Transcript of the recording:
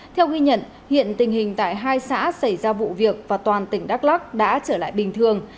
theo ghi nhận hiện tình hình tại hai xã xảy ra vụ việc và toàn tỉnh đắk lắc đã trở lại bình thường